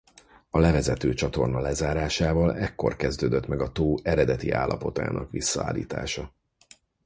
A levezető csatorna lezárásával ekkor kezdődött meg a tó eredeti állapotának visszaállítása.